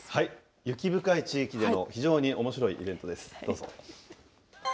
雪深い地域での非常におもしろいイベントです。